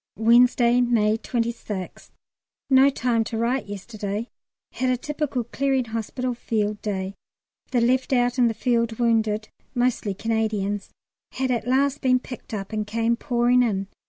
Wednesday, May 26th. No time to write yesterday; had a typical Clearing Hospital Field Day. The left out in the field wounded (mostly Canadians) had at last been picked up and came pouring in.